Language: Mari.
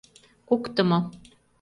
Куктымо.